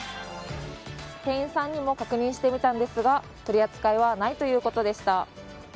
店員さんにも確認してみたんですが取り扱いはないということでした。